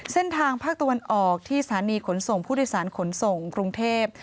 เส้นทางภาคตะวันออกที่สถานีขนส่งผู้โดยสารขนส่งกรุงเทพ